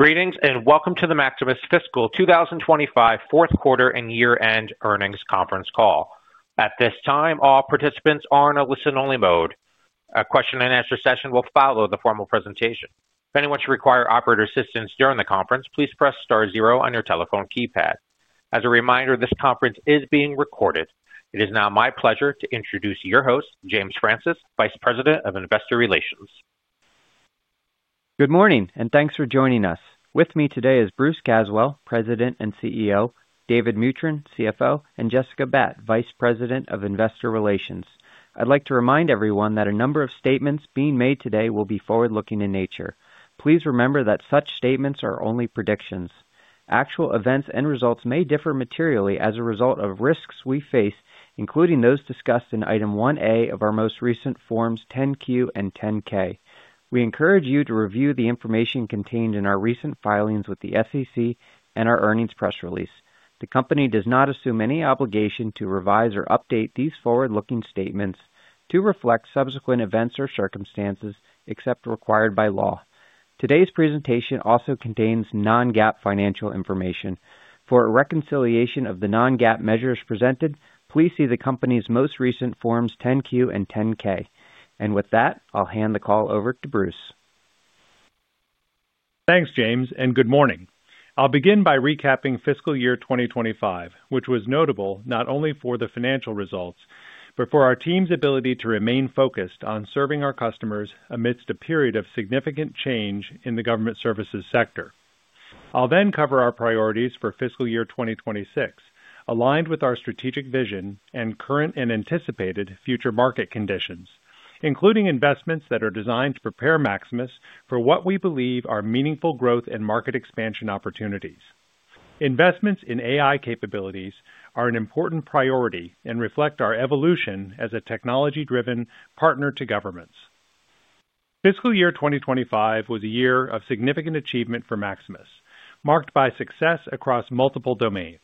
Greetings and welcome to the Maximus Fiscal 2025 Fourth Quarter and Year-End Earnings Conference Call. At this time, all participants are in a listen-only mode. A question-and-answer session will follow the formal presentation. If anyone should require operator assistance during the conference, please press star zero on your telephone keypad. As a reminder, this conference is being recorded. It is now my pleasure to introduce your host, James Francis, Vice President of Investor Relations. Good morning, and thanks for joining us. With me today is Bruce Caswell, President and CEO; David Mutryn, CFO; and Jessica Batt, Vice President of Investor Relations. I'd like to remind everyone that a number of statements being made today will be forward-looking in nature. Please remember that such statements are only predictions. Actual events and results may differ materially as a result of risks we face, including those discussed in Item 1A of our most recent Forms 10Q and 10K. We encourage you to review the information contained in our recent filings with the SEC and our earnings press release. The company does not assume any obligation to revise or update these forward-looking statements to reflect subsequent events or circumstances except required by law. Today's presentation also contains non-GAAP financial information. For reconciliation of the non-GAAP measures presented, please see the company's most recent Forms 10Q and 10K. With that, I'll hand the call over to Bruce. Thanks, James, and good morning. I'll begin by recapping fiscal year 2025, which was notable not only for the financial results but for our team's ability to remain focused on serving our customers amidst a period of significant change in the government services sector. I'll then cover our priorities for fiscal year 2026, aligned with our strategic vision and current and anticipated future market conditions, including investments that are designed to prepare Maximus for what we believe are meaningful growth and market expansion opportunities. Investments in AI capabilities are an important priority and reflect our evolution as a technology-driven partner to governments. Fiscal year 2025 was a year of significant achievement for Maximus, marked by success across multiple domains.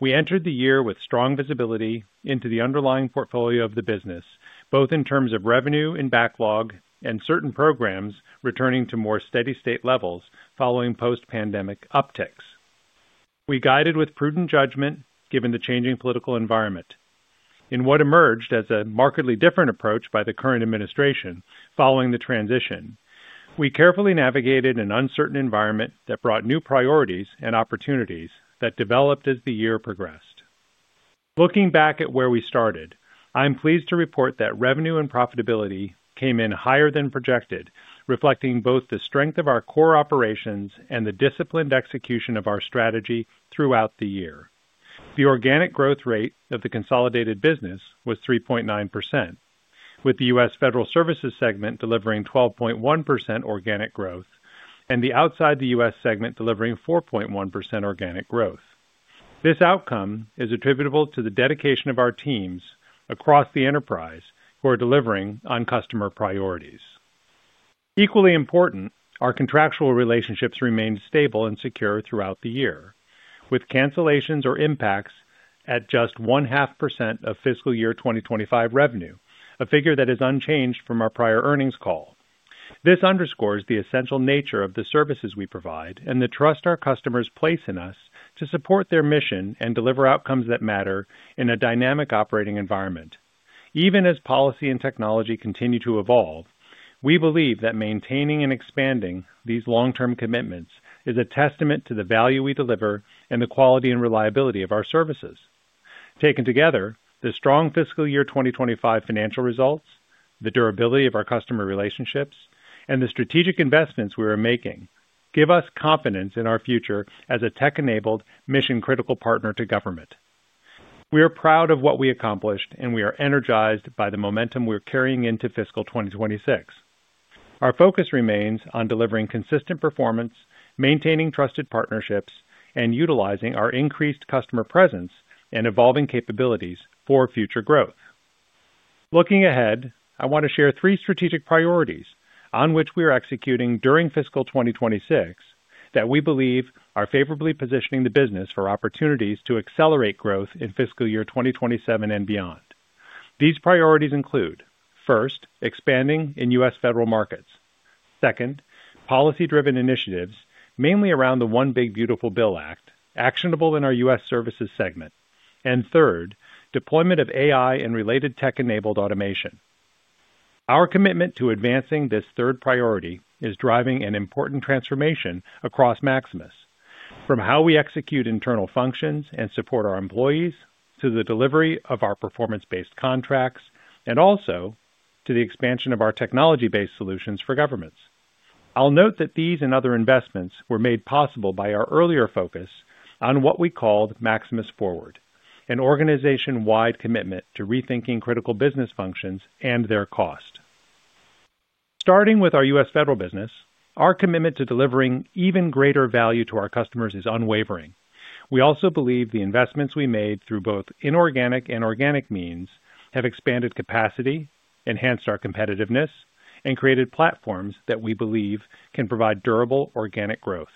We entered the year with strong visibility into the underlying portfolio of the business, both in terms of revenue and backlog, and certain programs returning to more steady-state levels following post-pandemic upticks. We guided with prudent judgment given the changing political environment. In what emerged as a markedly different approach by the current administration following the transition, we carefully navigated an uncertain environment that brought new priorities and opportunities that developed as the year progressed. Looking back at where we started, I'm pleased to report that revenue and profitability came in higher than projected, reflecting both the strength of our core operations and the disciplined execution of our strategy throughout the year. The organic growth rate of the consolidated business was 3.9%, with the U.S. federal services segment delivering 12.1% organic growth and the outside-the-U.S. segment delivering 4.1% organic growth. This outcome is attributable to the dedication of our teams across the enterprise who are delivering on customer priorities. Equally important, our contractual relationships remained stable and secure throughout the year, with cancellations or impacts at just 1.5% of fiscal year 2025 revenue, a figure that is unchanged from our prior earnings call. This underscores the essential nature of the services we provide and the trust our customers place in us to support their mission and deliver outcomes that matter in a dynamic operating environment. Even as policy and technology continue to evolve, we believe that maintaining and expanding these long-term commitments is a testament to the value we deliver and the quality and reliability of our services. Taken together, the strong fiscal year 2025 financial results, the durability of our customer relationships, and the strategic investments we are making give us confidence in our future as a tech-enabled, mission-critical partner to government. We are proud of what we accomplished, and we are energized by the momentum we're carrying into fiscal 2026. Our focus remains on delivering consistent performance, maintaining trusted partnerships, and utilizing our increased customer presence and evolving capabilities for future growth. Looking ahead, I want to share three strategic priorities on which we are executing during fiscal 2026 that we believe are favorably positioning the business for opportunities to accelerate growth in fiscal year 2027 and beyond. These priorities include: first, expanding in U.S. federal markets; second, policy-driven initiatives, mainly around the One Big Beautiful Bill Act, actionable in our U.S. services segment; and third, deployment of AI and related tech-enabled automation. Our commitment to advancing this third priority is driving an important transformation across Maximus, from how we execute internal functions and support our employees to the delivery of our performance-based contracts and also to the expansion of our technology-based solutions for governments. I'll note that these and other investments were made possible by our earlier focus on what we called Maximus Forward, an organization-wide commitment to rethinking critical business functions and their cost. Starting with our U.S. federal business, our commitment to delivering even greater value to our customers is unwavering. We also believe the investments we made through both inorganic and organic means have expanded capacity, enhanced our competitiveness, and created platforms that we believe can provide durable, organic growth.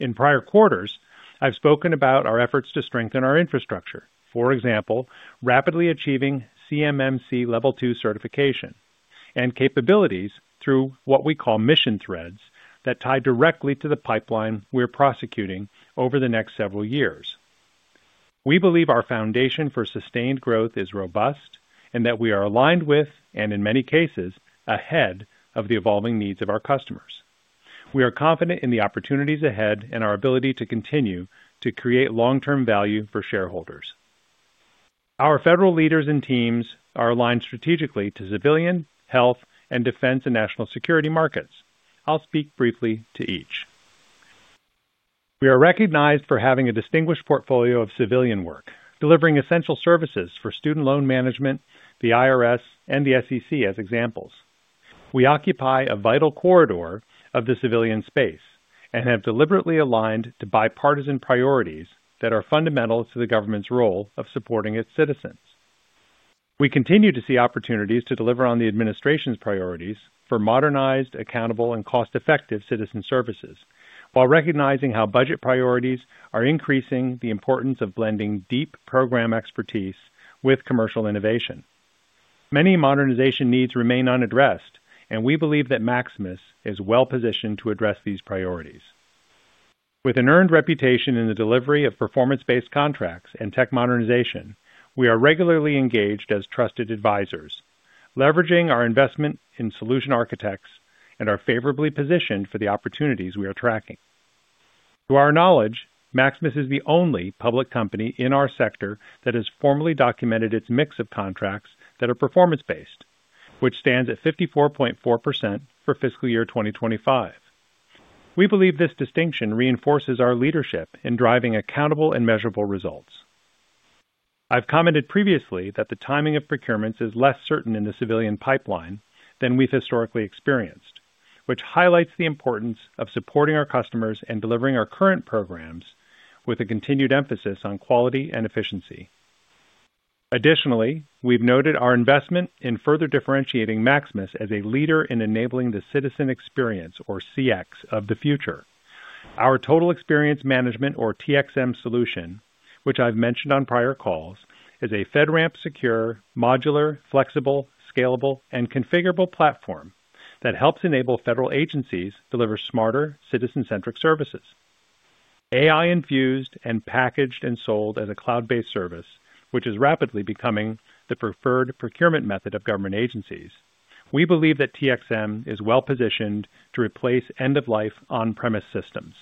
In prior quarters, I've spoken about our efforts to strengthen our infrastructure, for example, rapidly achieving CMMC Level 2 certification and capabilities through what we call mission threads that tie directly to the pipeline we're prosecuting over the next several years. We believe our foundation for sustained growth is robust and that we are aligned with, and in many cases, ahead of the evolving needs of our customers. We are confident in the opportunities ahead and our ability to continue to create long-term value for shareholders. Our federal leaders and teams are aligned strategically to civilian, health, and defense and national security markets. I'll speak briefly to each. We are recognized for having a distinguished portfolio of civilian work, delivering essential services for student loan management, the IRS, and the SEC as examples. We occupy a vital corridor of the civilian space and have deliberately aligned to bipartisan priorities that are fundamental to the government's role of supporting its citizens. We continue to see opportunities to deliver on the administration's priorities for modernized, accountable, and cost-effective citizen services, while recognizing how budget priorities are increasing the importance of blending deep program expertise with commercial innovation. Many modernization needs remain unaddressed, and we believe that Maximus is well-positioned to address these priorities. With an earned reputation in the delivery of performance-based contracts and tech modernization, we are regularly engaged as trusted advisors, leveraging our investment in solution architects and are favorably positioned for the opportunities we are tracking. To our knowledge, Maximus is the only public company in our sector that has formally documented its mix of contracts that are performance-based, which stands at 54.4% for fiscal year 2025. We believe this distinction reinforces our leadership in driving accountable and measurable results. I've commented previously that the timing of procurements is less certain in the civilian pipeline than we've historically experienced, which highlights the importance of supporting our customers and delivering our current programs with a continued emphasis on quality and efficiency. Additionally, we've noted our investment in further differentiating Maximus as a leader in enabling the citizen experience, or CX, of the future. Our Total Experience Management, or TXM, solution, which I've mentioned on prior calls, is a FedRAMP-secure, modular, flexible, scalable, and configurable platform that helps enable federal agencies to deliver smarter, citizen-centric services. AI-infused and packaged and sold as a cloud-based service, which is rapidly becoming the preferred procurement method of government agencies, we believe that TXM is well-positioned to replace end-of-life on-premise systems.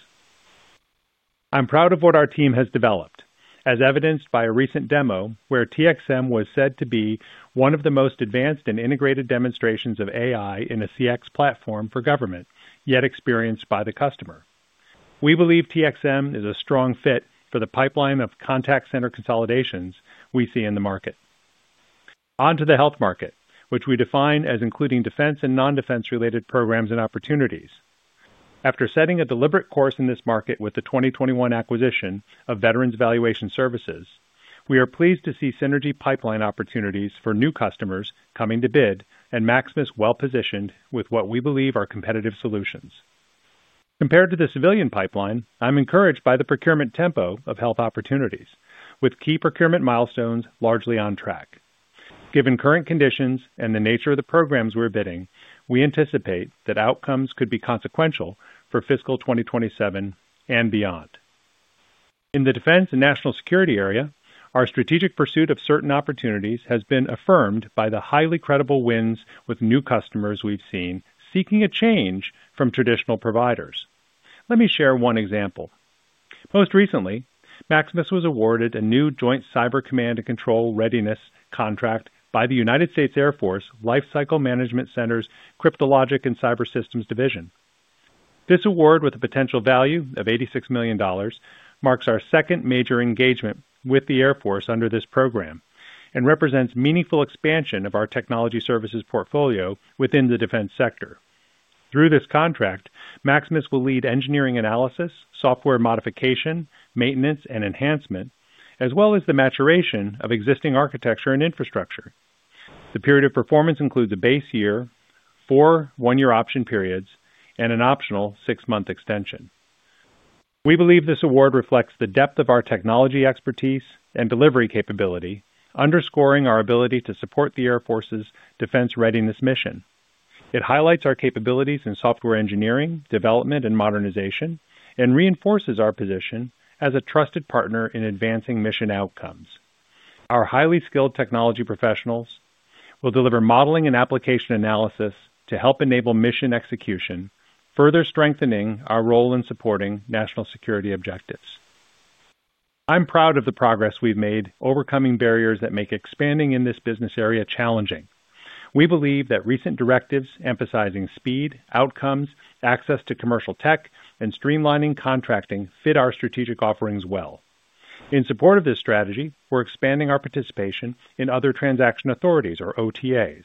I'm proud of what our team has developed, as evidenced by a recent demo where TXM was said to be one of the most advanced and integrated demonstrations of AI in a CX platform for government, yet experienced by the customer. We believe TXM is a strong fit for the pipeline of contact-center consolidations we see in the market. On to the health market, which we define as including defense and non-defense-related programs and opportunities. After setting a deliberate course in this market with the 2021 acquisition of Veterans Valuation Services, we are pleased to see synergy pipeline opportunities for new customers coming to bid, and Maximus is well-positioned with what we believe are competitive solutions. Compared to the civilian pipeline, I'm encouraged by the procurement tempo of health opportunities, with key procurement milestones largely on track. Given current conditions and the nature of the programs we're bidding, we anticipate that outcomes could be consequential for fiscal 2027 and beyond. In the defense and national security area, our strategic pursuit of certain opportunities has been affirmed by the highly credible wins with new customers we've seen seeking a change from traditional providers. Let me share one example. Most recently, Maximus was awarded a new joint cyber command and control readiness contract by the United States Air Force Life Cycle Management Center's Cryptologic and Cyber Systems Division. This award, with a potential value of $86 million, marks our second major engagement with the Air Force under this program and represents meaningful expansion of our technology services portfolio within the defense sector. Through this contract, Maximus will lead engineering analysis, software modification, maintenance, and enhancement, as well as the maturation of existing architecture and infrastructure. The period of performance includes a base year, four one-year option periods, and an optional six-month extension. We believe this award reflects the depth of our technology expertise and delivery capability, underscoring our ability to support the Air Force's defense readiness mission. It highlights our capabilities in software engineering, development, and modernization, and reinforces our position as a trusted partner in advancing mission outcomes. Our highly skilled technology professionals will deliver modeling and application analysis to help enable mission execution, further strengthening our role in supporting national security objectives. I'm proud of the progress we've made, overcoming barriers that make expanding in this business area challenging. We believe that recent directives emphasizing speed, outcomes, access to commercial tech, and streamlining contracting fit our strategic offerings well. In support of this strategy, we're expanding our participation in other transaction authorities, or OTAs,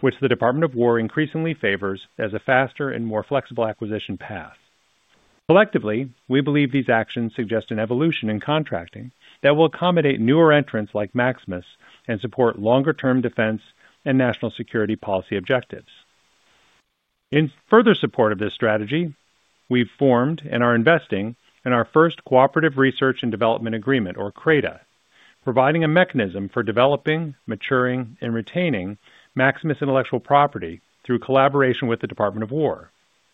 which the Department of Defense increasingly favors as a faster and more flexible acquisition path. Collectively, we believe these actions suggest an evolution in contracting that will accommodate newer entrants like Maximus and support longer-term defense and national security policy objectives. In further support of this strategy, we've formed and are investing in our first cooperative research and development agreement, or CRADA, providing a mechanism for developing, maturing, and retaining Maximus intellectual property through collaboration with the Department of Defense.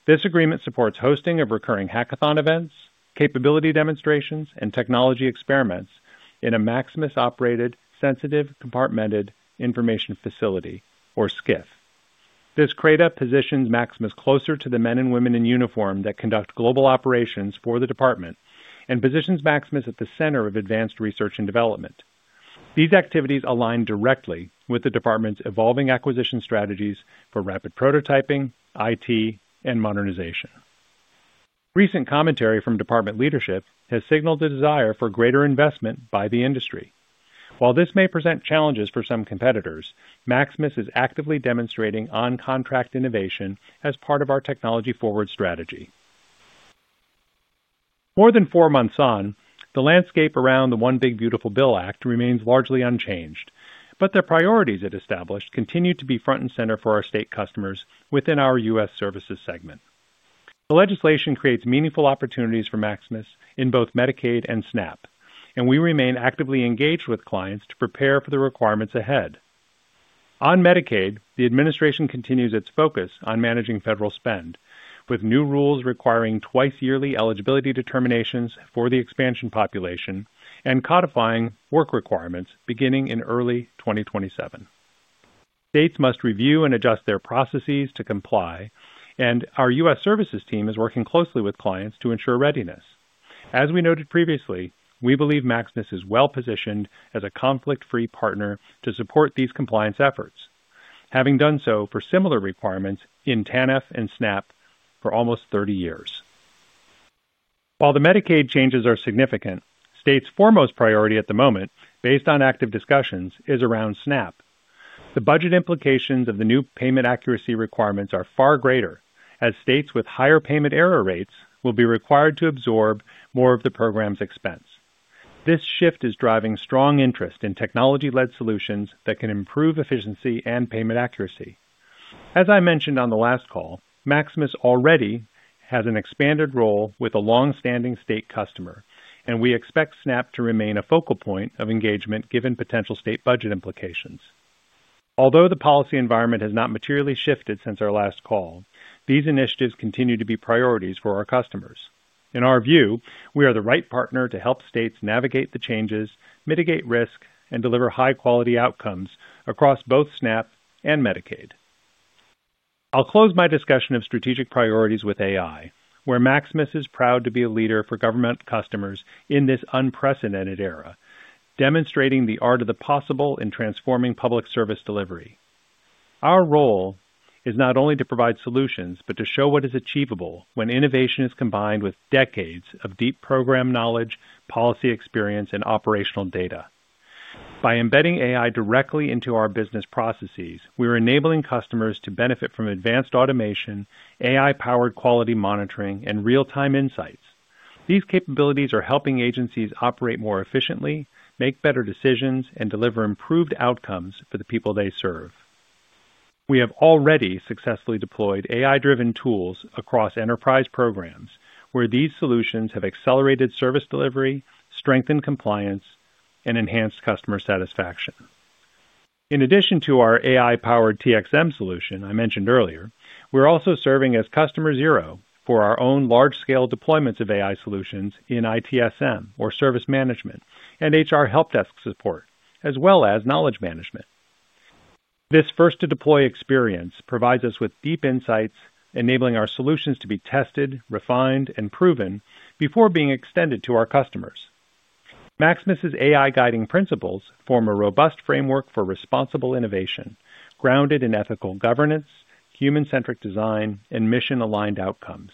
This agreement supports hosting of recurring hackathon events, capability demonstrations, and technology experiments in a Maximus-operated sensitive compartmented information facility, or SCIF. This CRADA positions Maximus closer to the men and women in uniform that conduct global operations for the department and positions Maximus at the center of advanced research and development. These activities align directly with the department's evolving acquisition strategies for rapid prototyping, IT, and modernization. Recent commentary from department leadership has signaled a desire for greater investment by the industry. While this may present challenges for some competitors, Maximus is actively demonstrating on-contract innovation as part of our technology forward strategy. More than four months on, the landscape around the One Big Beautiful Bill Act remains largely unchanged, but the priorities it established continue to be front and center for our state customers within our U.S. services segment. The legislation creates meaningful opportunities for Maximus in both Medicaid and SNAP, and we remain actively engaged with clients to prepare for the requirements ahead. On Medicaid, the administration continues its focus on managing federal spend, with new rules requiring twice-yearly eligibility determinations for the expansion population and codifying work requirements beginning in early 2027. States must review and adjust their processes to comply, and our U.S. services team is working closely with clients to ensure readiness. As we noted previously, we believe Maximus is well-positioned as a conflict-free partner to support these compliance efforts, having done so for similar requirements in TANF and SNAP for almost 30 years. While the Medicaid changes are significant, states' foremost priority at the moment, based on active discussions, is around SNAP. The budget implications of the new payment accuracy requirements are far greater, as states with higher payment error rates will be required to absorb more of the program's expense. This shift is driving strong interest in technology-led solutions that can improve efficiency and payment accuracy. As I mentioned on the last call, Maximus already has an expanded role with a long-standing state customer, and we expect SNAP to remain a focal point of engagement given potential state budget implications. Although the policy environment has not materially shifted since our last call, these initiatives continue to be priorities for our customers. In our view, we are the right partner to help states navigate the changes, mitigate risk, and deliver high-quality outcomes across both SNAP and Medicaid. I'll close my discussion of strategic priorities with AI, where Maximus is proud to be a leader for government customers in this unprecedented era, demonstrating the art of the possible in transforming public service delivery. Our role is not only to provide solutions, but to show what is achievable when innovation is combined with decades of deep program knowledge, policy experience, and operational data. By embedding AI directly into our business processes, we are enabling customers to benefit from advanced automation, AI-powered quality monitoring, and real-time insights. These capabilities are helping agencies operate more efficiently, make better decisions, and deliver improved outcomes for the people they serve. We have already successfully deployed AI-driven tools across enterprise programs, where these solutions have accelerated service delivery, strengthened compliance, and enhanced customer satisfaction. In addition to our AI-powered TXM solution I mentioned earlier, we're also serving as customer zero for our own large-scale deployments of AI solutions in ITSM, or service management, and HR help desk support, as well as knowledge management. This first-to-deploy experience provides us with deep insights, enabling our solutions to be tested, refined, and proven before being extended to our customers. Maximus's AI-guiding principles form a robust framework for responsible innovation, grounded in ethical governance, human-centric design, and mission-aligned outcomes.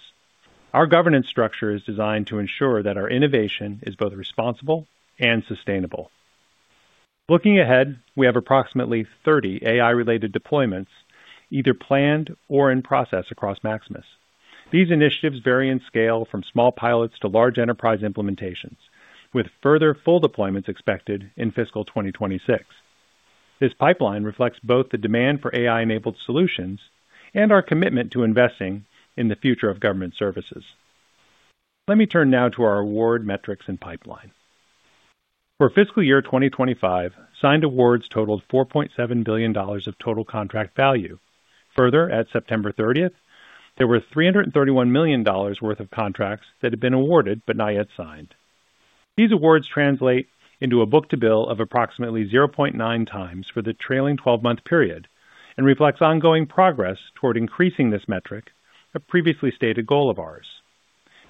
Our governance structure is designed to ensure that our innovation is both responsible and sustainable. Looking ahead, we have approximately 30 AI-related deployments, either planned or in process across Maximus. These initiatives vary in scale from small pilots to large enterprise implementations, with further full deployments expected in fiscal 2026. This pipeline reflects both the demand for AI-enabled solutions and our commitment to investing in the future of government services. Let me turn now to our award metrics and pipeline. For fiscal year 2025, signed awards totaled $4.7 billion of total contract value. Further, at September 30, there were $331 million worth of contracts that had been awarded but not yet signed. These awards translate into a book-to-bill of approximately 0.9 times for the trailing 12-month period and reflect ongoing progress toward increasing this metric, a previously stated goal of ours.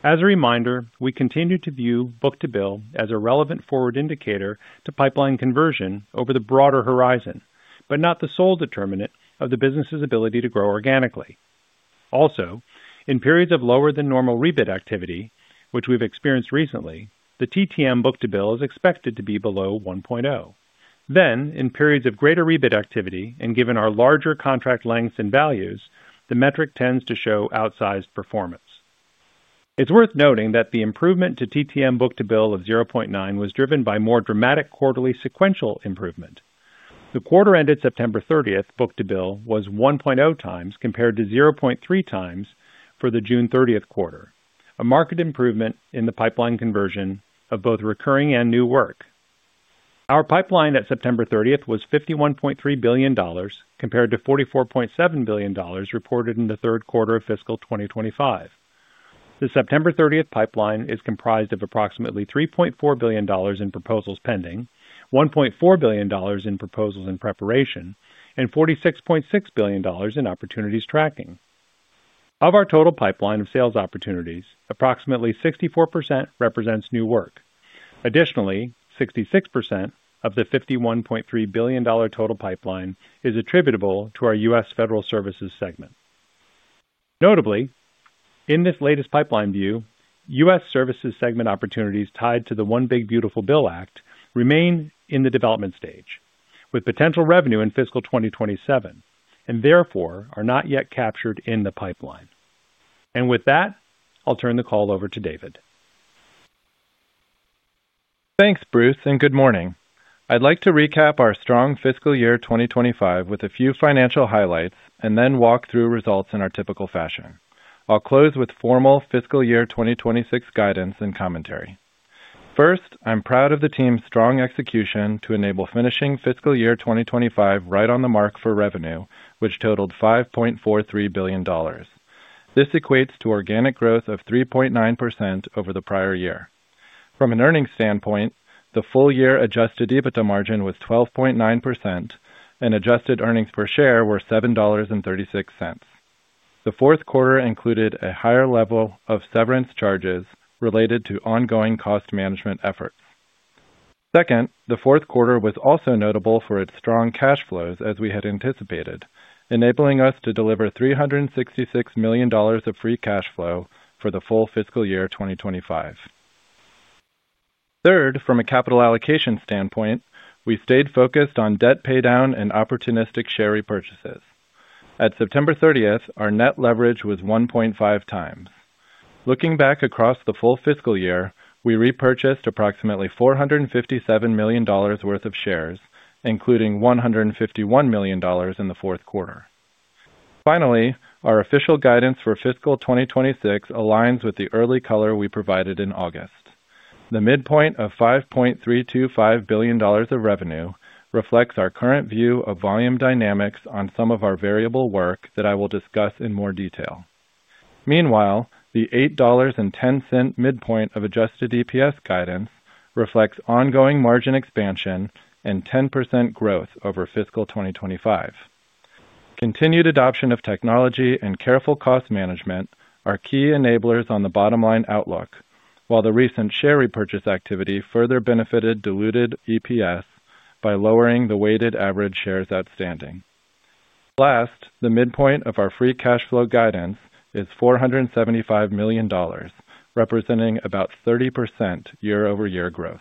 As a reminder, we continue to view book-to-bill as a relevant forward indicator to pipeline conversion over the broader horizon, but not the sole determinant of the business's ability to grow organically. Also, in periods of lower-than-normal rebid activity, which we've experienced recently, the TTM book-to-bill is expected to be below 1.0. In periods of greater rebid activity, and given our larger contract lengths and values, the metric tends to show outsized performance. It's worth noting that the improvement to TTM book-to-bill of 0.9 was driven by more dramatic quarterly sequential improvement. The quarter-ended September 30 book-to-bill was 1.0 times compared to 0.3 times for the June 30 quarter, a marked improvement in the pipeline conversion of both recurring and new work. Our pipeline at September 30 was $51.3 billion, compared to $44.7 billion reported in the third quarter of fiscal 2025. The September 30th pipeline is comprised of approximately $3.4 billion in proposals pending, $1.4 billion in proposals in preparation, and $46.6 billion in opportunities tracking. Of our total pipeline of sales opportunities, approximately 64% represents new work. Additionally, 66% of the $51.3 billion total pipeline is attributable to our U.S. federal services segment. Notably, in this latest pipeline view, U.S. services segment opportunities tied to the One Big Beautiful Bill Act remain in the development stage, with potential revenue in fiscal 2027, and therefore are not yet captured in the pipeline. With that, I'll turn the call over to David. Thanks, Bruce, and good morning. I'd like to recap our strong fiscal year 2025 with a few financial highlights and then walk through results in our typical fashion. I'll close with formal fiscal year 2026 guidance and commentary. First, I'm proud of the team's strong execution to enable finishing fiscal year 2025 right on the mark for revenue, which totaled $5.43 billion. This equates to organic growth of 3.9% over the prior year. From an earnings standpoint, the full-year adjusted EBITDA margin was 12.9%, and adjusted earnings per share were $7.36. The fourth quarter included a higher level of severance charges related to ongoing cost management efforts. Second, the fourth quarter was also notable for its strong cash flows, as we had anticipated, enabling us to deliver $366 million of free cash flow for the full fiscal year 2025. Third, from a capital allocation standpoint, we stayed focused on debt paydown and opportunistic share repurchases. At September 30th, our net leverage was 1.5 times. Looking back across the full fiscal year, we repurchased approximately $457 million worth of shares, including $151 million in the fourth quarter. Finally, our official guidance for fiscal 2026 aligns with the early color we provided in August. The midpoint of $5.325 billion of revenue reflects our current view of volume dynamics on some of our variable work that I will discuss in more detail. Meanwhile, the $8.10 midpoint of adjusted EPS guidance reflects ongoing margin expansion and 10% growth over fiscal 2025. Continued adoption of technology and careful cost management are key enablers on the bottom-line outlook, while the recent share repurchase activity further benefited diluted EPS by lowering the weighted average shares outstanding. Last, the midpoint of our free cash flow guidance is $475 million, representing about 30% year-over-year growth.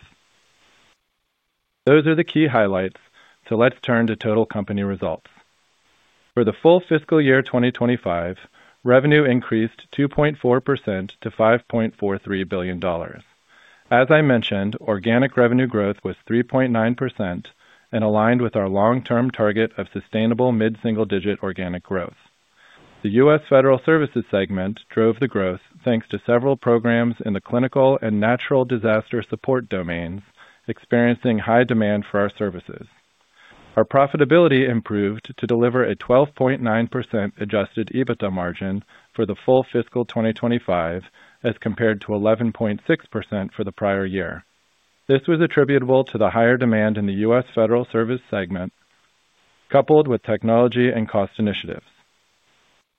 Those are the key highlights, so let's turn to total company results. For the full fiscal year 2025, revenue increased 2.4% to $5.43 billion. As I mentioned, organic revenue growth was 3.9% and aligned with our long-term target of sustainable mid-single-digit organic growth. The U.S. federal services segment drove the growth thanks to several programs in the clinical and natural disaster support domains experiencing high demand for our services. Our profitability improved to deliver a 12.9% adjusted EBITDA margin for the full fiscal 2025 as compared to 11.6% for the prior year. This was attributable to the higher demand in the U.S. federal services segment, coupled with technology and cost initiatives.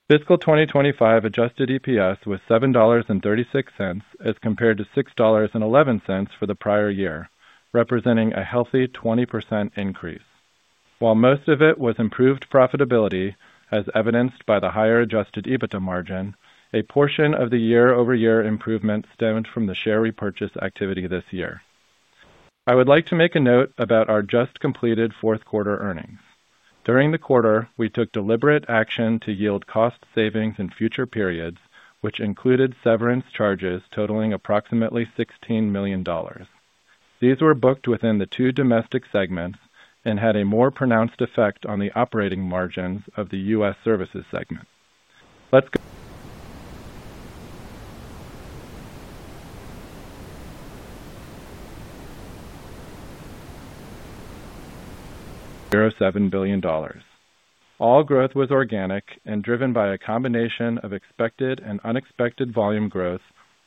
Fiscal 2025 adjusted EPS was $7.36 as compared to $6.11 for the prior year, representing a healthy 20% increase. While most of it was improved profitability, as evidenced by the higher adjusted EBITDA margin, a portion of the year-over-year improvement stemmed from the share repurchase activity this year. I would like to make a note about our just completed fourth quarter earnings. During the quarter, we took deliberate action to yield cost savings in future periods, which included severance charges totaling approximately $16 million. These were booked within the two domestic segments and had a more pronounced effect on the operating margins of the U.S. services segment. Let's go. $0.7 billion. All growth was organic and driven by a combination of expected and unexpected volume growth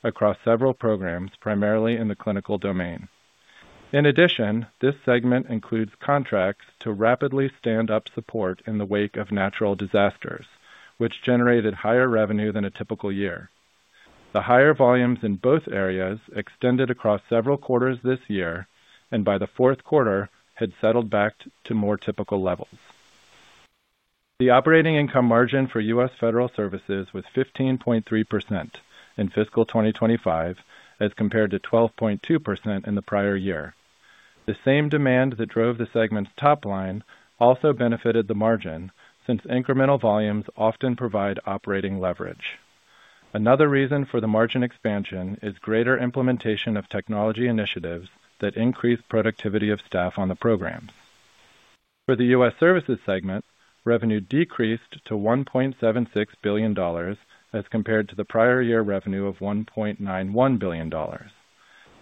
across several programs, primarily in the clinical domain. In addition, this segment includes contracts to rapidly stand up support in the wake of natural disasters, which generated higher revenue than a typical year. The higher volumes in both areas extended across several quarters this year, and by the fourth quarter, had settled back to more typical levels. The operating income margin for U.S. federal services was 15.3% in fiscal 2025 as compared to 12.2% in the prior year. The same demand that drove the segment's top line also benefited the margin, since incremental volumes often provide operating leverage. Another reason for the margin expansion is greater implementation of technology initiatives that increase productivity of staff on the programs. For the U.S. services segment, revenue decreased to $1.76 billion as compared to the prior year revenue of $1.91 billion.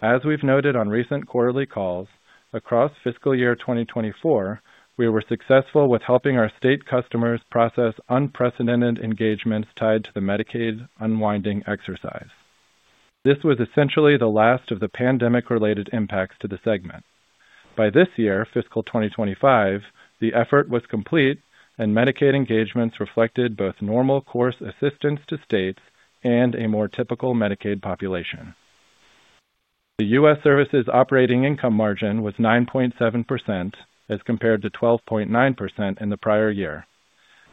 As we've noted on recent quarterly calls, across fiscal year 2024, we were successful with helping our state customers process unprecedented engagements tied to the Medicaid unwinding exercise. This was essentially the last of the pandemic-related impacts to the segment. By this year, fiscal 2025, the effort was complete, and Medicaid engagements reflected both normal course assistance to states and a more typical Medicaid population. The U.S. services operating income margin was 9.7% as compared to 12.9% in the prior year.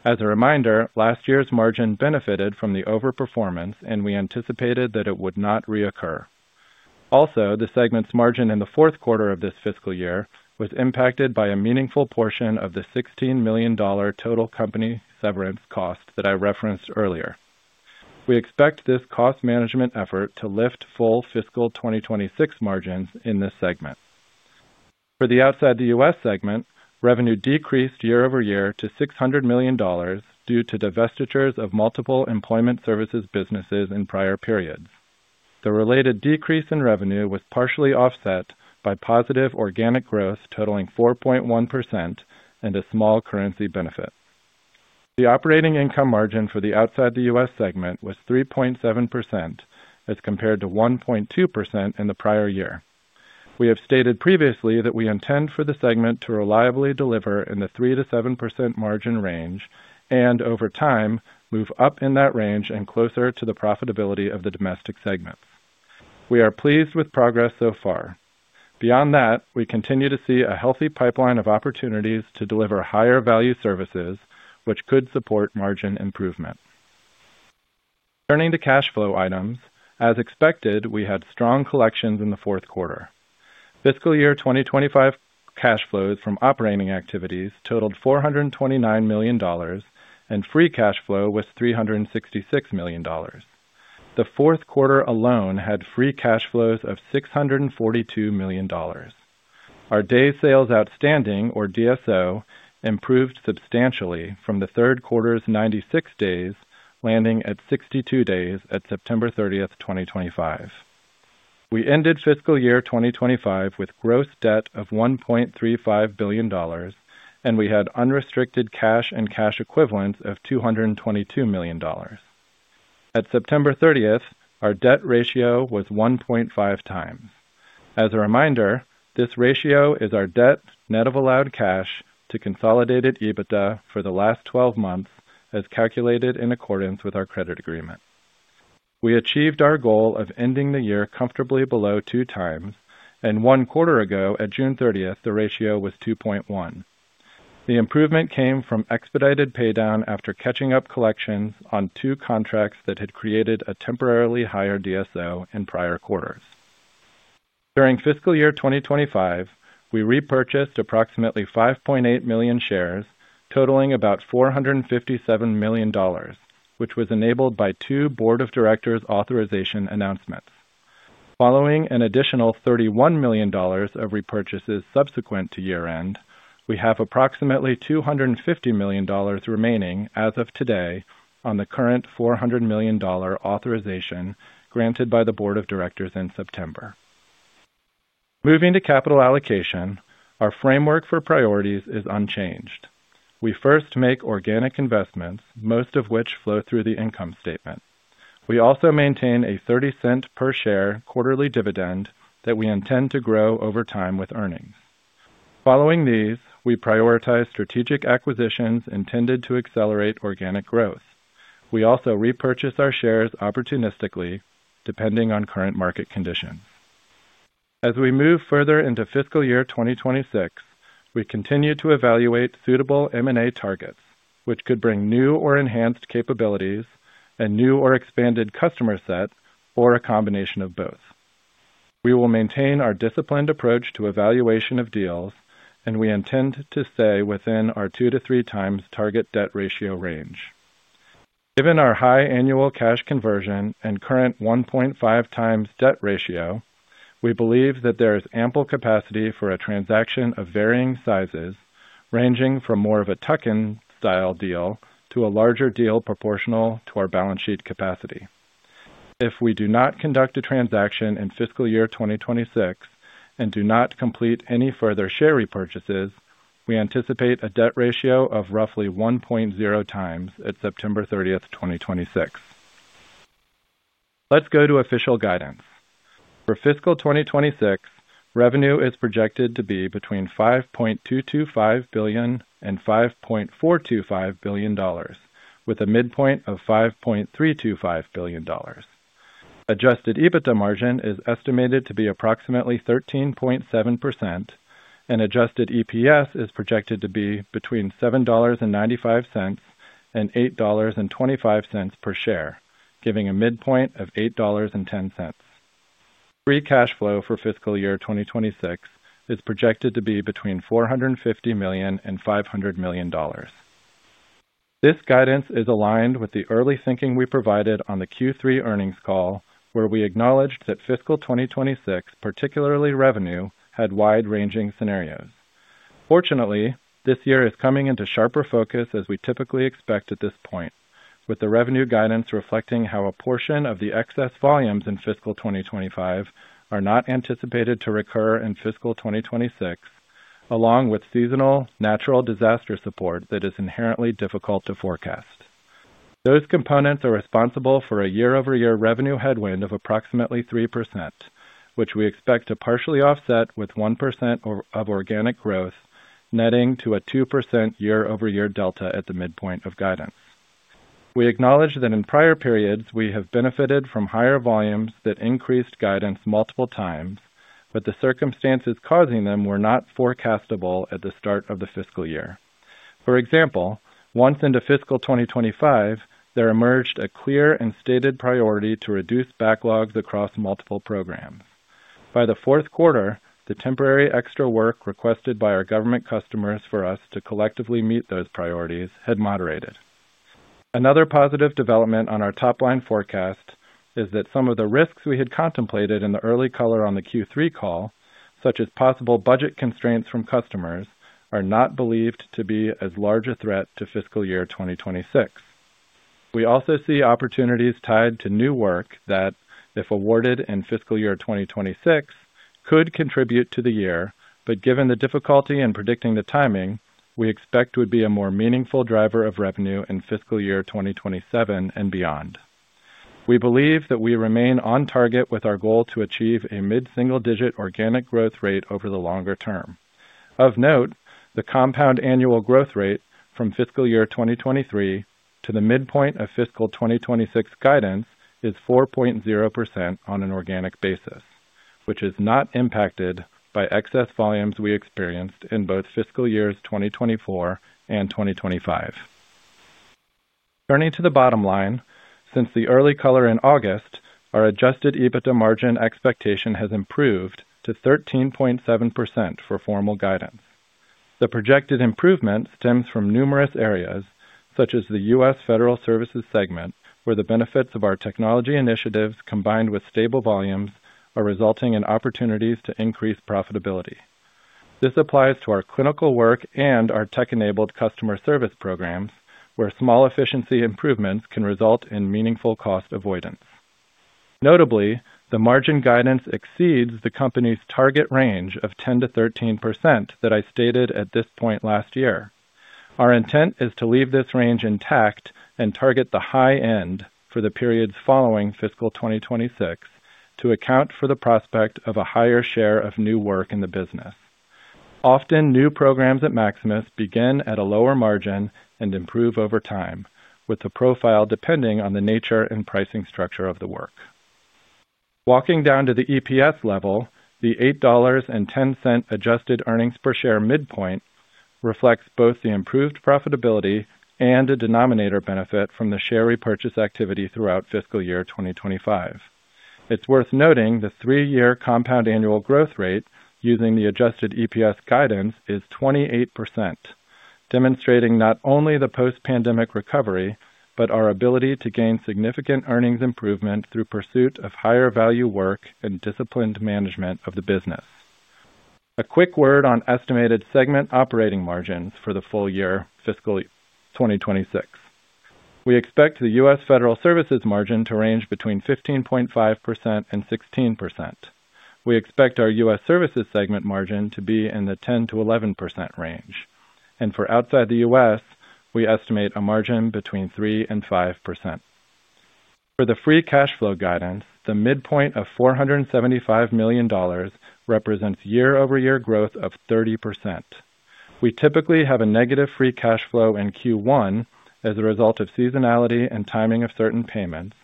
As a reminder, last year's margin benefited from the overperformance, and we anticipated that it would not reoccur. Also, the segment's margin in the fourth quarter of this fiscal year was impacted by a meaningful portion of the $16 million total company severance cost that I referenced earlier. We expect this cost management effort to lift full fiscal 2026 margins in this segment. For the outside-the-U.S. segment, revenue decreased year-over-year to $600 million due to divestitures of multiple employment services businesses in prior periods. The related decrease in revenue was partially offset by positive organic growth totaling 4.1% and a small currency benefit. The operating income margin for the outside-the-U.S. segment was 3.7% as compared to 1.2% in the prior year. We have stated previously that we intend for the segment to reliably deliver in the 3%-7% margin range and, over time, move up in that range and closer to the profitability of the domestic segments. We are pleased with progress so far. Beyond that, we continue to see a healthy pipeline of opportunities to deliver higher-value services, which could support margin improvement. Turning to cash flow items, as expected, we had strong collections in the fourth quarter. Fiscal year 2025 cash flows from operating activities totaled $429 million, and free cash flow was $366 million. The fourth quarter alone had free cash flows of $642 million. Our days sales outstanding, or DSO, improved substantially from the third quarter's 96 days, landing at 62 days at September 30th, 2025. We ended fiscal year 2025 with gross debt of $1.35 billion, and we had unrestricted cash and cash equivalents of $222 million. At September 30th, our debt ratio was 1.5 times. As a reminder, this ratio is our debt net of allowed cash to consolidated EBITDA for the last 12 months, as calculated in accordance with our credit agreement. We achieved our goal of ending the year comfortably below two times, and one quarter ago, at June 30th, the ratio was 2.1. The improvement came from expedited paydown after catching up collections on two contracts that had created a temporarily higher DSO in prior quarters. During fiscal year 2025, we repurchased approximately 5.8 million shares, totaling about $457 million, which was enabled by two board of directors authorization announcements. Following an additional $31 million of repurchases subsequent to year-end, we have approximately $250 million remaining as of today on the current $400 million authorization granted by the board of directors in September. Moving to capital allocation, our framework for priorities is unchanged. We first make organic investments, most of which flow through the income statement. We also maintain a $0.30 per share quarterly dividend that we intend to grow over time with earnings. Following these, we prioritize strategic acquisitions intended to accelerate organic growth. We also repurchase our shares opportunistically, depending on current market conditions. As we move further into fiscal year 2026, we continue to evaluate suitable M&A targets, which could bring new or enhanced capabilities, a new or expanded customer set, or a combination of both. We will maintain our disciplined approach to evaluation of deals, and we intend to stay within our 2-3 times target debt ratio range. Given our high annual cash conversion and current 1.5 times debt ratio, we believe that there is ample capacity for a transaction of varying sizes, ranging from more of a Tuck-in-style deal to a larger deal proportional to our balance sheet capacity. If we do not conduct a transaction in fiscal year 2026 and do not complete any further share repurchases, we anticipate a debt ratio of roughly 1.0 times at September 30, 2026. Let's go to official guidance. For fiscal 2026, revenue is projected to be between $5.225 billion and $5.425 billion, with a midpoint of $5.325 billion. Adjusted EBITDA margin is estimated to be approximately 13.7%, and adjusted EPS is projected to be between $7.95 and $8.25 per share, giving a midpoint of $8.10. Free cash flow for fiscal year 2026 is projected to be between $450 million and $500 million. This guidance is aligned with the early thinking we provided on the Q3 earnings call, where we acknowledged that fiscal 2026, particularly revenue, had wide-ranging scenarios. Fortunately, this year is coming into sharper focus as we typically expect at this point, with the revenue guidance reflecting how a portion of the excess volumes in fiscal 2025 are not anticipated to recur in fiscal 2026, along with seasonal natural disaster support that is inherently difficult to forecast. Those components are responsible for a year-over-year revenue headwind of approximately 3%, which we expect to partially offset with 1% of organic growth, netting to a 2% year-over-year delta at the midpoint of guidance. We acknowledge that in prior periods, we have benefited from higher volumes that increased guidance multiple times, but the circumstances causing them were not forecastable at the start of the fiscal year. For example, once into fiscal 2025, there emerged a clear and stated priority to reduce backlogs across multiple programs. By the fourth quarter, the temporary extra work requested by our government customers for us to collectively meet those priorities had moderated. Another positive development on our top-line forecast is that some of the risks we had contemplated in the early color on the Q3 call, such as possible budget constraints from customers, are not believed to be as large a threat to fiscal year 2026. We also see opportunities tied to new work that, if awarded in fiscal year 2026, could contribute to the year, but given the difficulty in predicting the timing, we expect would be a more meaningful driver of revenue in fiscal year 2027 and beyond. We believe that we remain on target with our goal to achieve a mid-single-digit organic growth rate over the longer term. Of note, the compound annual growth rate from fiscal year 2023 to the midpoint of fiscal 2026 guidance is 4.0% on an organic basis, which is not impacted by excess volumes we experienced in both fiscal years 2024 and 2025. Turning to the bottom line, since the early color in August, our adjusted EBITDA margin expectation has improved to 13.7% for formal guidance. The projected improvement stems from numerous areas, such as the U.S. federal services segment, where the benefits of our technology initiatives combined with stable volumes are resulting in opportunities to increase profitability. This applies to our clinical work and our tech-enabled customer service programs, where small efficiency improvements can result in meaningful cost avoidance. Notably, the margin guidance exceeds the company's target range of 10%-13% that I stated at this point last year. Our intent is to leave this range intact and target the high end for the periods following fiscal 2026 to account for the prospect of a higher share of new work in the business. Often, new programs at Maximus begin at a lower margin and improve over time, with the profile depending on the nature and pricing structure of the work. Walking down to the EPS level, the $8.10 adjusted earnings per share midpoint reflects both the improved profitability and a denominator benefit from the share repurchase activity throughout fiscal year 2025. It's worth noting the three-year compound annual growth rate using the adjusted EPS guidance is 28%, demonstrating not only the post-pandemic recovery but our ability to gain significant earnings improvement through pursuit of higher-value work and disciplined management of the business. A quick word on estimated segment operating margins for the full year fiscal 2026. We expect the U.S. federal services margin to range between 15.5%-16%. We expect our U.S. services segment margin to be in the 10%-11% range. For outside the U.S., we estimate a margin between 3% and 5%. For the free cash flow guidance, the midpoint of $475 million represents year-over-year growth of 30%. We typically have a negative free cash flow in Q1 as a result of seasonality and timing of certain payments,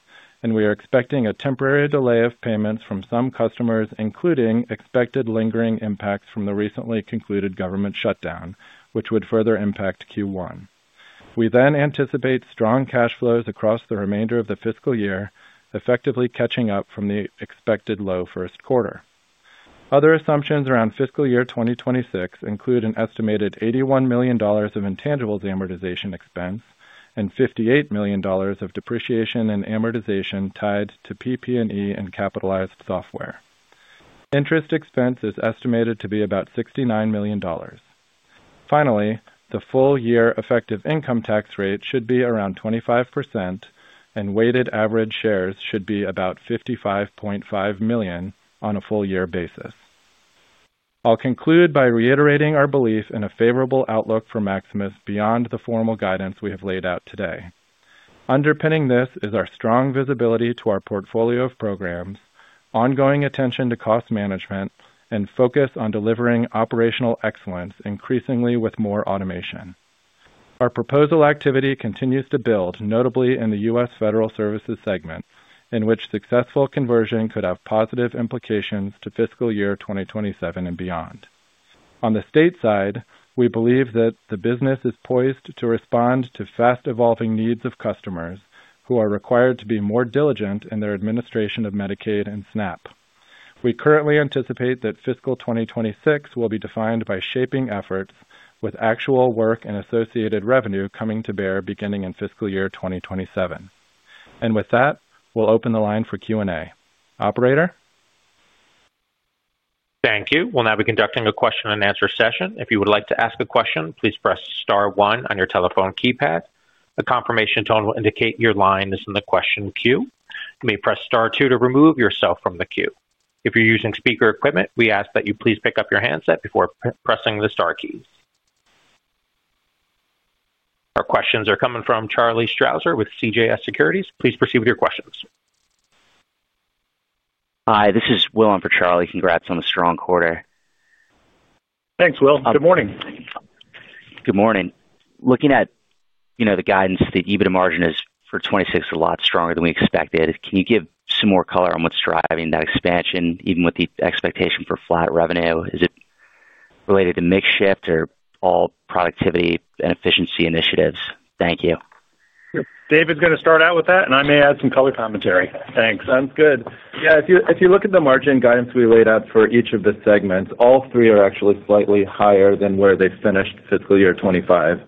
and we are expecting a temporary delay of payments from some customers, including expected lingering impacts from the recently concluded government shutdown, which would further impact Q1. We then anticipate strong cash flows across the remainder of the fiscal year, effectively catching up from the expected low first quarter. Other assumptions around fiscal year 2026 include an estimated $81 million of intangibles amortization expense and $58 million of depreciation and amortization tied to PP&E and capitalized software. Interest expense is estimated to be about $69 million. Finally, the full-year effective income tax rate should be around 25%, and weighted average shares should be about $55.5 million on a full-year basis. I'll conclude by reiterating our belief in a favorable outlook for Maximus beyond the formal guidance we have laid out today. Underpinning this is our strong visibility to our portfolio of programs, ongoing attention to cost management, and focus on delivering operational excellence increasingly with more automation. Our proposal activity continues to build, notably in the U.S. federal services segment, in which successful conversion could have positive implications to fiscal year 2027 and beyond. On the state side, we believe that the business is poised to respond to fast-evolving needs of customers who are required to be more diligent in their administration of Medicaid and SNAP. We currently anticipate that fiscal 2026 will be defined by shaping efforts, with actual work and associated revenue coming to bear beginning in fiscal year 2027. With that, we'll open the line for Q&A. Operator? Thank you. We'll now be conducting a question-and-answer session. If you would like to ask a question, please press Star 1 on your telephone keypad. A confirmation tone will indicate your line is in the question queue. You may press Star 2 to remove yourself from the queue. If you're using speaker equipment, we ask that you please pick up your handset before pressing the Star keys. Our questions are coming from Charlie Strausser with CJS Securities. Please proceed with your questions. Hi, this is Willum for Charlie. Congrats on the strong quarter. Thanks, Will. Good morning. Good morning. Looking at, you know, the guidance, the EBITDA margin is for 2026 a lot stronger than we expected. Can you give some more color on what's driving that expansion, even with the expectation for flat revenue? Is it related to mixed shift or all productivity and efficiency initiatives? Thank you. David's going to start out with that, and I may add some color commentary. Thanks. Sounds good. Yeah, if you look at the margin guidance we laid out for each of the segments, all three are actually slightly higher than where they finished fiscal year 2025.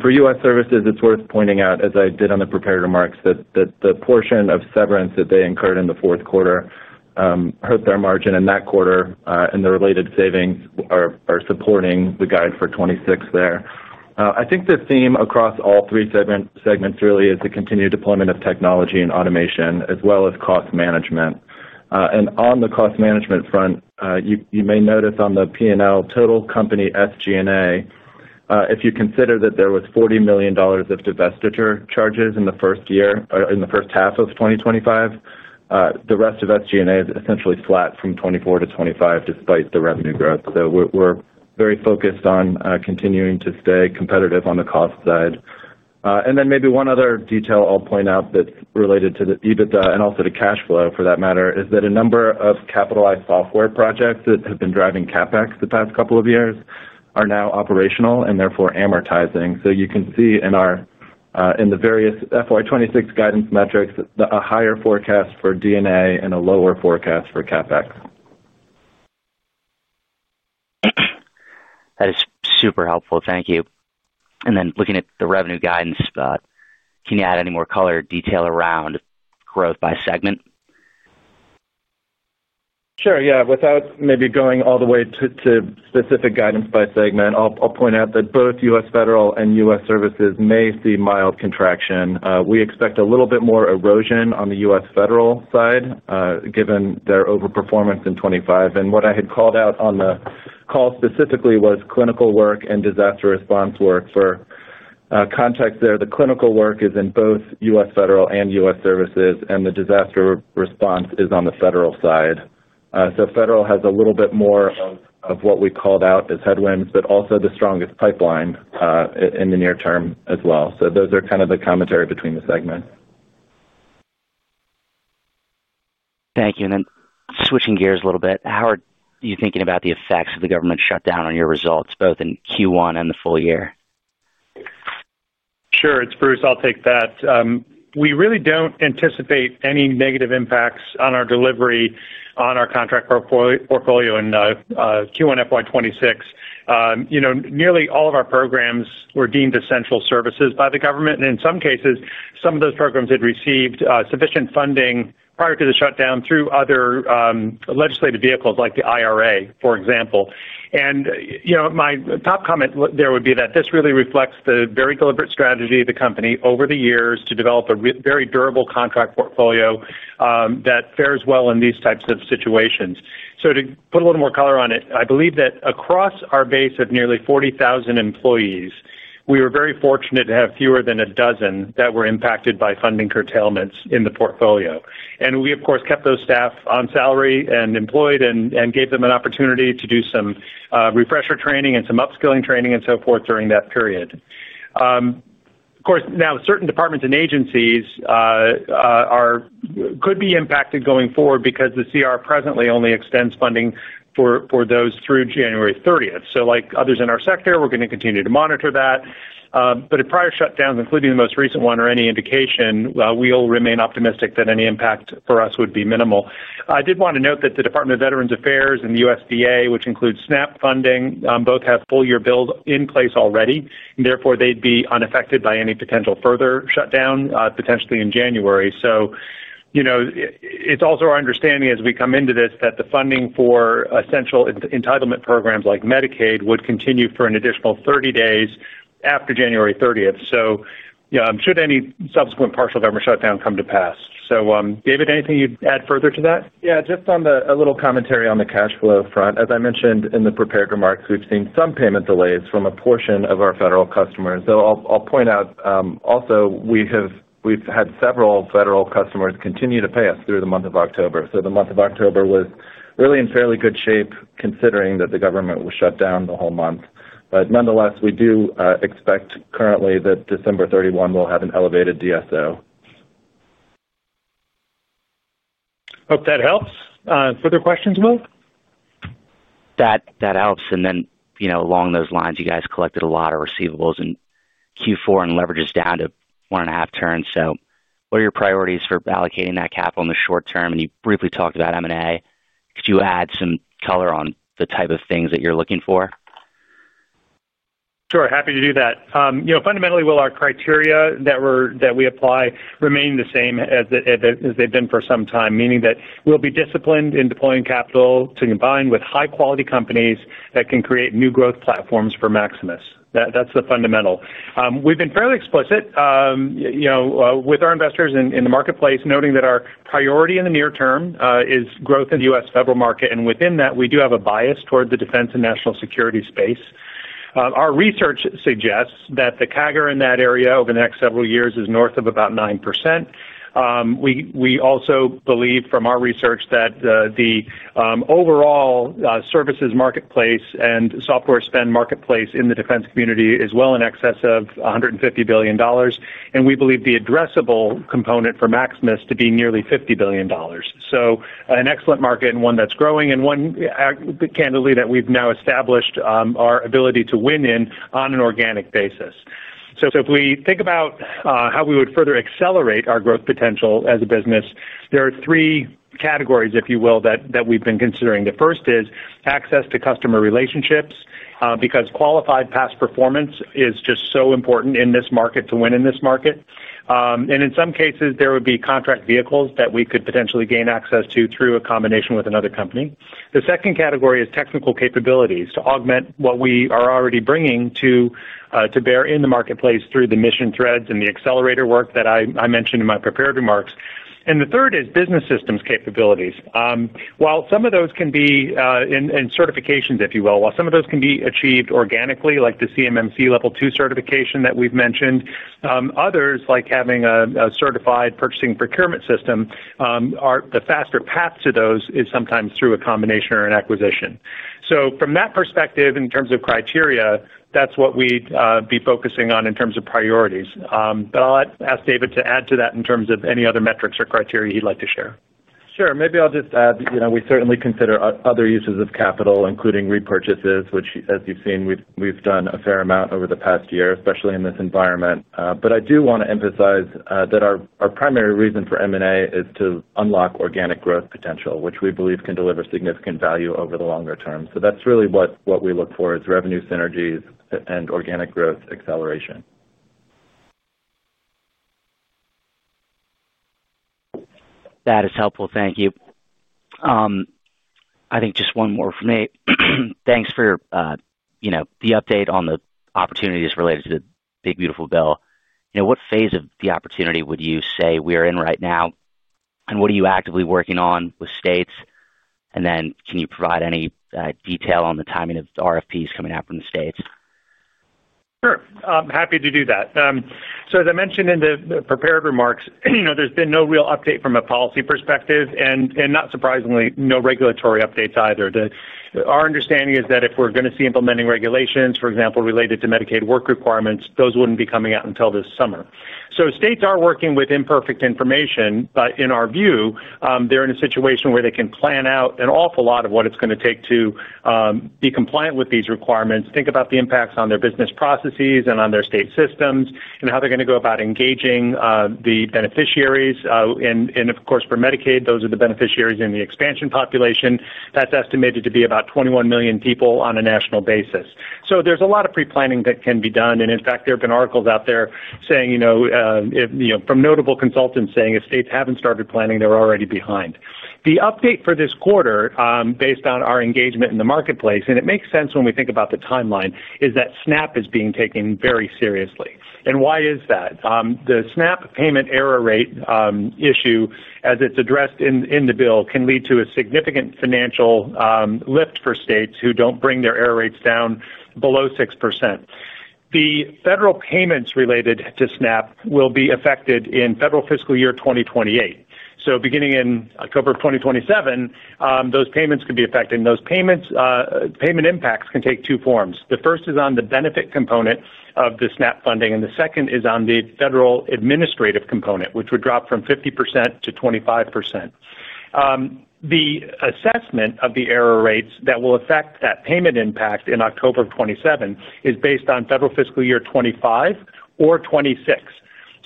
For U.S. services, it's worth pointing out, as I did on the preparatory marks, that the portion of severance that they incurred in the fourth quarter hurt their margin in that quarter, and the related savings are supporting the guide for 2026 there. I think the theme across all three segments really is the continued deployment of technology and automation, as well as cost management. On the cost management front, you may notice on the P&L total company SG&A, if you consider that there was $40 million of divestiture charges in the first year or in the first half of 2025, the rest of SG&A is essentially flat from 2024-2025 despite the revenue growth. We are very focused on continuing to stay competitive on the cost side. Maybe one other detail I'll point out that's related to the EBITDA and also to cash flow for that matter is that a number of capitalized software projects that have been driving CapEx the past couple of years are now operational and therefore amortizing. You can see in our in the various FY2026 guidance metrics, a higher forecast for D&A and a lower forecast for CapEx. That is super helpful. Thank you. Looking at the revenue guidance spot, can you add any more color or detail around growth by segment? Sure. Yeah. Without maybe going all the way to specific guidance by segment, I'll point out that both U.S. federal and U.S. services may see mild contraction. We expect a little bit more erosion on the U.S. federal side, given their overperformance in 2025. What I had called out on the call specifically was clinical work and disaster response work. For context there, the clinical work is in both U.S. federal and U.S. services, and the disaster response is on the federal side. Federal has a little bit more of what we called out as headwinds, but also the strongest pipeline in the near term as well. Those are kind of the commentary between the segments. Thank you. Switching gears a little bit, how are you thinking about the effects of the government shutdown on your results, both in Q1 and the full year? Sure. It's Bruce. I'll take that. We really don't anticipate any negative impacts on our delivery on our contract portfolio in Q1 FY2026. You know, nearly all of our programs were deemed essential services by the government. In some cases, some of those programs had received sufficient funding prior to the shutdown through other legislative vehicles like the IRA, for example. You know, my top comment there would be that this really reflects the very deliberate strategy of the company over the years to develop a very durable contract portfolio that fares well in these types of situations. To put a little more color on it, I believe that across our base of nearly 40,000 employees, we were very fortunate to have fewer than a dozen that were impacted by funding curtailments in the portfolio. We, of course, kept those staff on salary and employed and gave them an opportunity to do some refresher training and some upskilling training and so forth during that period. Of course, now certain departments and agencies could be impacted going forward because the CR presently only extends funding for those through January 30th. Like others in our sector, we're going to continue to monitor that. At prior shutdowns, including the most recent one, or any indication, we'll remain optimistic that any impact for us would be minimal. I did want to note that the Department of Veterans Affairs and the USDA, which includes SNAP funding, both have full-year bills in place already. Therefore, they'd be unaffected by any potential further shutdown, potentially in January. You know, it's also our understanding as we come into this that the funding for essential entitlement programs like Medicaid would continue for an additional 30 days after January 30. Should any subsequent partial government shutdown come to pass? David, anything you'd add further to that? Yeah, just a little commentary on the cash flow front. As I mentioned in the prepared remarks, we've seen some payment delays from a portion of our federal customers. I'll point out also we have had several federal customers continue to pay us through the month of October. The month of October was really in fairly good shape considering that the government was shut down the whole month. Nonetheless, we do expect currently that December 31 will have an elevated DSO. Hope that helps. Further questions, Will? That helps. You know, along those lines, you guys collected a lot of receivables in Q4 and leveraged us down to one and a half turns. What are your priorities for allocating that capital in the short term? You briefly talked about M&A. Could you add some color on the type of things that you're looking for? Sure. Happy to do that. You know, fundamentally, Will, our criteria that we apply remain the same as they've been for some time, meaning that we'll be disciplined in deploying capital to combine with high-quality companies that can create new growth platforms for Maximus. That's the fundamental. We've been fairly explicit, you know, with our investors in the marketplace, noting that our priority in the near term is growth in the U.S. federal market. Within that, we do have a bias toward the defense and national security space. Our research suggests that the CAGR in that area over the next several years is north of about 9%. We also believe from our research that the overall services marketplace and software spend marketplace in the defense community is well in excess of $150 billion. We believe the addressable component for Maximus to be nearly $50 billion. An excellent market and one that's growing and one, candidly, that we've now established our ability to win in on an organic basis. If we think about how we would further accelerate our growth potential as a business, there are three categories, if you will, that we've been considering. The first is access to customer relationships because qualified past performance is just so important in this market to win in this market. In some cases, there would be contract vehicles that we could potentially gain access to through a combination with another company. The second category is technical capabilities to augment what we are already bringing to bear in the marketplace through the mission threads and the accelerator work that I mentioned in my preparatory marks. The third is business systems capabilities. While some of those can be in certifications, if you will, while some of those can be achieved organically, like the CMMC Level 2 certification that we've mentioned, others, like having a certified purchasing procurement system, the faster path to those is sometimes through a combination or an acquisition. From that perspective, in terms of criteria, that's what we'd be focusing on in terms of priorities. I'll ask David to add to that in terms of any other metrics or criteria he'd like to share. Sure. Maybe I'll just add, you know, we certainly consider other uses of capital, including repurchases, which, as you've seen, we've done a fair amount over the past year, especially in this environment. I do want to emphasize that our primary reason for M&A is to unlock organic growth potential, which we believe can deliver significant value over the longer term. That's really what we look for is revenue synergies and organic growth acceleration. That is helpful. Thank you. I think just one more from me. Thanks for, you know, the update on the opportunities related to the big, beautiful bill. You know, what phase of the opportunity would you say we are in right now? What are you actively working on with states? Can you provide any detail on the timing of RFPs coming out from the states? Sure. I'm happy to do that. As I mentioned in the prepared remarks, you know, there's been no real update from a policy perspective and not surprisingly, no regulatory updates either. Our understanding is that if we're going to see implementing regulations, for example, related to Medicaid work requirements, those wouldn't be coming out until this summer. States are working with imperfect information, but in our view, they're in a situation where they can plan out an awful lot of what it's going to take to be compliant with these requirements, think about the impacts on their business processes and on their state systems, and how they're going to go about engaging the beneficiaries. Of course, for Medicaid, those are the beneficiaries in the expansion population. That's estimated to be about 21 million people on a national basis. There's a lot of pre-planning that can be done. In fact, there have been articles out there saying, you know, from notable consultants saying if states haven't started planning, they're already behind. The update for this quarter, based on our engagement in the marketplace, and it makes sense when we think about the timeline, is that SNAP is being taken very seriously. Why is that? The SNAP payment error rate issue, as it's addressed in the bill, can lead to a significant financial lift for states who don't bring their error rates down below 6%. The federal payments related to SNAP will be affected in federal fiscal year 2028. Beginning in October of 2027, those payments could be affected. Those payment impacts can take two forms. The first is on the benefit component of the SNAP funding, and the second is on the federal administrative component, which would drop from 50% to 25%. The assessment of the error rates that will affect that payment impact in October of 2027 is based on federal fiscal year 2025 or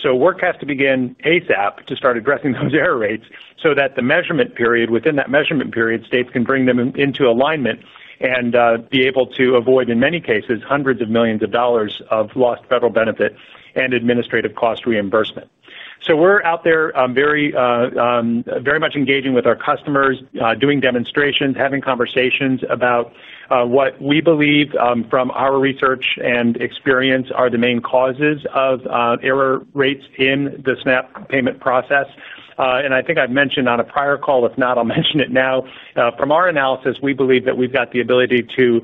2026. Work has to begin ASAP to start addressing those error rates so that the measurement period, within that measurement period, states can bring them into alignment and be able to avoid, in many cases, hundreds of millions of dollars of lost federal benefit and administrative cost reimbursement. We are out there very much engaging with our customers, doing demonstrations, having conversations about what we believe from our research and experience are the main causes of error rates in the SNAP payment process. I think I have mentioned on a prior call, if not, I will mention it now. From our analysis, we believe that we have got the ability to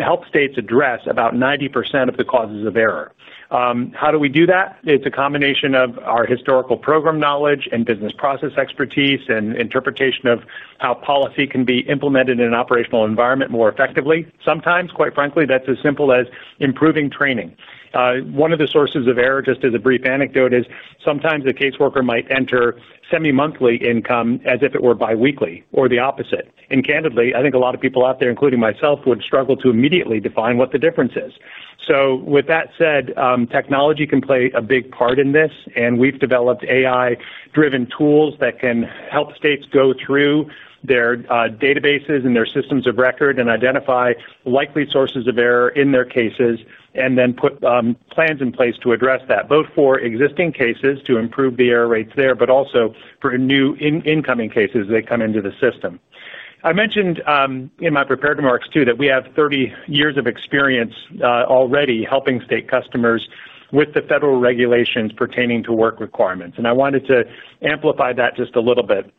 help states address about 90% of the causes of error. How do we do that? It is a combination of our historical program knowledge and business process expertise and interpretation of how policy can be implemented in an operational environment more effectively. Sometimes, quite frankly, that's as simple as improving training. One of the sources of error, just as a brief anecdote, is sometimes a caseworker might enter semi-monthly income as if it were biweekly or the opposite. Candidly, I think a lot of people out there, including myself, would struggle to immediately define what the difference is. With that said, technology can play a big part in this. We've developed AI-driven tools that can help states go through their databases and their systems of record and identify likely sources of error in their cases and then put plans in place to address that, both for existing cases to improve the error rates there, but also for new incoming cases that come into the system. I mentioned in my prepared remarks too that we have 30 years of experience already helping state customers with the federal regulations pertaining to work requirements. I wanted to amplify that just a little bit.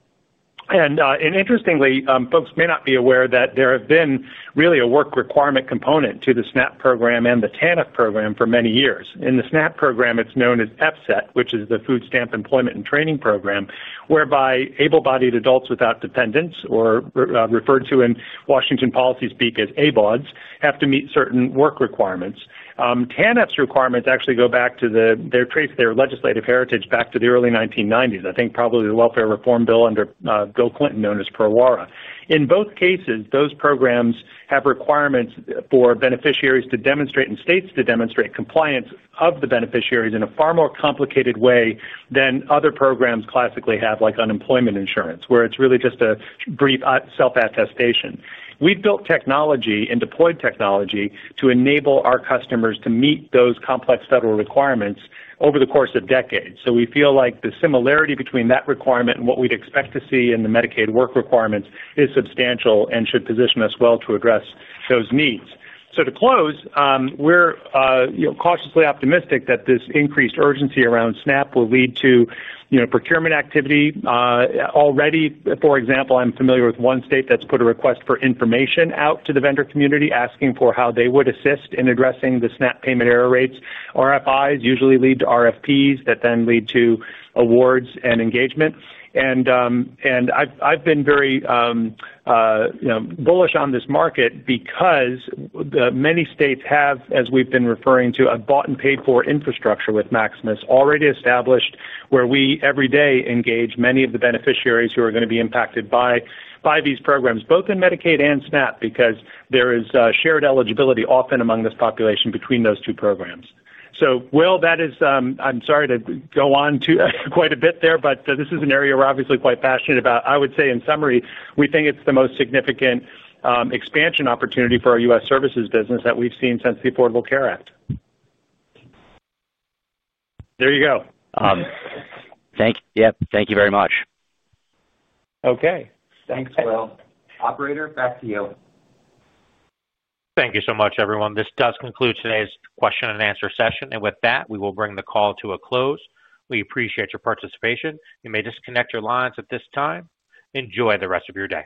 Interestingly, folks may not be aware that there have been really a work requirement component to the SNAP program and the TANF program for many years. In the SNAP program, it's known as EPSET, which is the Food Stamp Employment and Training Program, whereby able-bodied adults without dependents, or referred to in Washington policy speak as ABODs, have to meet certain work requirements. TANF's requirements actually trace their legislative heritage back to the early 1990s, I think probably the welfare reform bill under Bill Clinton known as PERWARA. In both cases, those programs have requirements for beneficiaries to demonstrate and states to demonstrate compliance of the beneficiaries in a far more complicated way than other programs classically have, like unemployment insurance, where it's really just a brief self-attestation. We've built technology and deployed technology to enable our customers to meet those complex federal requirements over the course of decades. We feel like the similarity between that requirement and what we'd expect to see in the Medicaid work requirements is substantial and should position us well to address those needs. To close, we're cautiously optimistic that this increased urgency around SNAP will lead to procurement activity. Already, for example, I'm familiar with one state that's put a request for information out to the vendor community asking for how they would assist in addressing the SNAP payment error rates. RFIs usually lead to RFPs that then lead to awards and engagement. I've been very bullish on this market because many states have, as we've been referring to, a bought and paid-for infrastructure with Maximus already established where we every day engage many of the beneficiaries who are going to be impacted by these programs, both in Medicaid and SNAP, because there is shared eligibility often among this population between those two programs. Will, that is, I'm sorry to go on to quite a bit there, but this is an area we're obviously quite passionate about. I would say in summary, we think it's the most significant expansion opportunity for our U.S. services business that we've seen since the Affordable Care Act. There you go. Thank you. Yep. Thank you very much. Okay. Thanks, Will. Operator, back to you. Thank you so much, everyone. This does conclude today's question and answer session. With that, we will bring the call to a close. We appreciate your participation. You may disconnect your lines at this time. Enjoy the rest of your day.